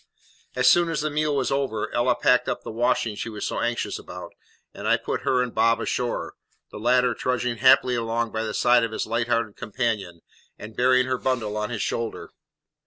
As soon as the meal was over Ella packed up the washing she was so anxious about, and I put her and Bob ashore, the latter trudging happily along by the side of his light hearted companion, and bearing her bundle on his shoulder.